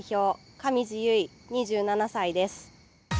上地結衣、２７歳です。